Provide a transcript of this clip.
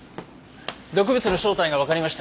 毒物の正体がわかりました。